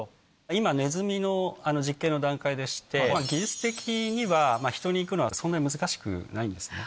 今、ネズミの実験の段階でして、技術的には、人に行くのはそんなに難しくないんですよね。